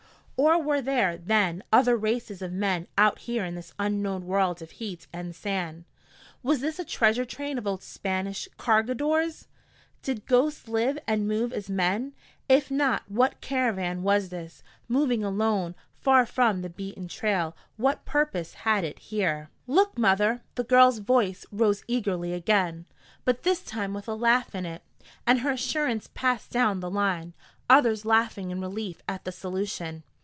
Or were there, then, other races of men out here in this unknown world of heat and sand? Was this a treasure train of old Spanish cargadores? Did ghosts live and move as men? If not, what caravan was this, moving alone, far from the beaten trail? What purpose had it here? "Look, mother!" The girl's voice rose eagerly again, but this time with a laugh in it. And her assurance passed down the line, others laughing in relief at the solution.